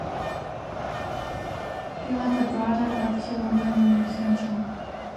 He was the brother of Huan Wen and Huan Chong.